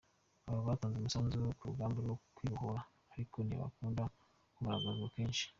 Aba batanze umusanzu mu rugamba rwo kwibohora ariko ntibakunda kugaragazwa kenshi.